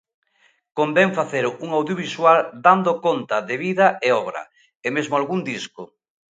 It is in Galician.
Convén facer un audiovisual dando conta de vida e obra, e mesmo algún disco.